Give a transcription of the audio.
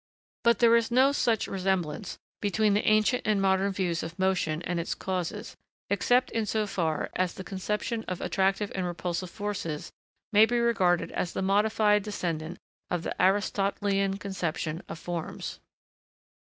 But there is no such resemblance between the ancient and modern views of motion and its causes, except in so far as the conception of attractive and repulsive forces may be regarded as the modified descendant of the Aristotelian conception of forms.